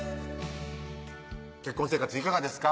結婚生活いかがですか？